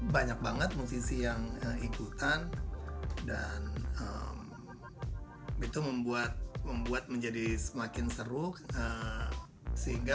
banyak banget musisi yang ikutan dan itu membuat membuat menjadi semakin seru sehingga